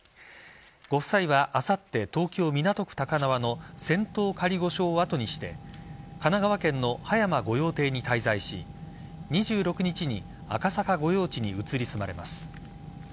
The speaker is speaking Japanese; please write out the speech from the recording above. ご夫妻はあさって東京・港区高輪の仙洞仮御所を後にして神奈川県の葉山御用邸に滞在し２６日に赤坂御用地に移り住まれます。